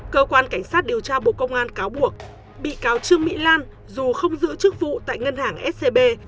cơ quan cảnh sát điều tra bộ công an cáo buộc bị cáo trương mỹ lan dù không giữ chức vụ tại ngân hàng scb